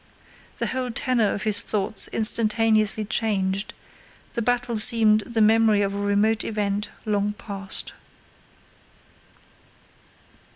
The whole tenor of his thoughts instantaneously changed; the battle seemed the memory of a remote event long past.